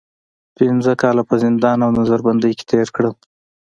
پنځه کاله په زندان او نظر بندۍ کې تېر کړل.